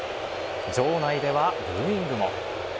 場内ではブーイングも。